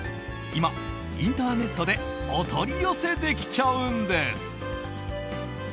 今、インターネットでお取り寄せできちゃうんです。